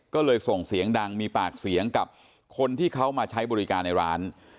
ก็เลยส่งเสียงดังมีปากเสียงกับคนที่เขามาใช้บริการในร้าน